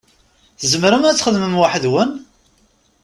Tzemrem ad txedmem weḥd-nwen?